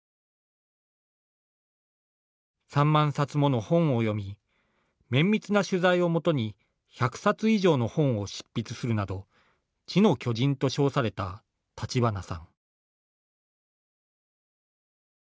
３万冊もの本を読み綿密な取材を基に１００冊以上の本を執筆するなど「知の巨人」と称された立花さん。